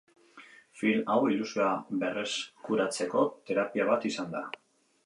Film hau ilusioa berreskuratzeko terapia bat izan da.